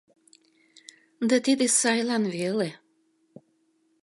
Да тиде сайлан веле.